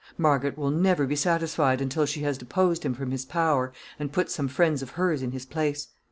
Margaret will never be satisfied until she has deposed him from his power and put some friend of hers in his place.